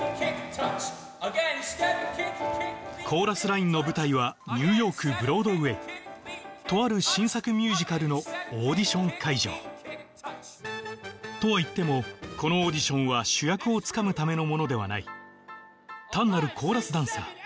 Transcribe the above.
Ｓｔｅｐ，ｋｉｃｋ，ｋｉｃｋ，「コーラスライン」の舞台はニューヨークブロードウェイとある新作ミュージカルのオーディション会場とはいってもこのオーディションは主役をつかむためのものではない単なるコーラスダンサー